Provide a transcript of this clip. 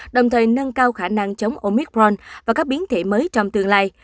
đồng thời nâng cao khả năng chống omicron và các biến thể mới trong tương lai